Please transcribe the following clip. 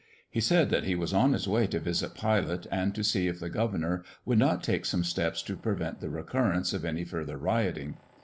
He said that he was on his way to visit Pilate and to see if the governor would not take some steps to prevent the recurrence of any further rioting.